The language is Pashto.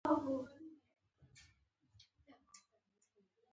همدارنګه د اوبو کوچني غیر نباتي موجودات هم خوري.